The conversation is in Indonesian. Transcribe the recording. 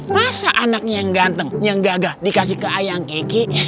masa anaknya yang ganteng yang gagah dikasih ke ayahng keki